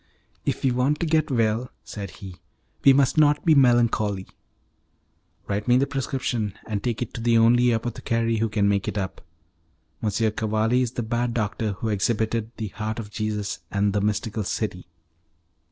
"If we want to get well," said he, "we must not be melancholy." "Write me the prescription, and take it to the only apothecary who can make it up. M. Cavalli is the bad doctor who exhibited 'The Heart of Jesus,' and 'The Mystical City.